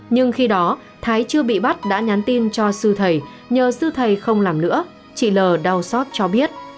nhưng khi đó thái chưa bị bắt đã nhắn tin cho sư thầy nhờ sư thầy không làm nữa chị l đau xót cho biết